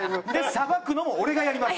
さばくのも俺がやります。